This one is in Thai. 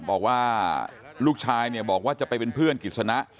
บอกว่าลูกชายเนี่ยบอกว่าจะไปเป็นเพื่อนกิจสนะ